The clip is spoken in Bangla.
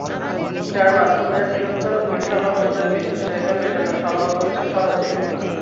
যার মাধ্যমে বৃহত্তর বরিশাল অঞ্চলের বিদ্যুৎ চাহিদা মেটানো সম্ভব হচ্ছে সহজেই।